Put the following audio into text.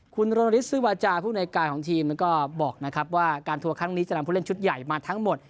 คุณโรฤทธซื้อวาจาผู้ในการของทีมก็บอกนะครับว่าการทัวร์ครั้งนี้จะนำผู้เล่นชุดใหญ่มาทั้งหมด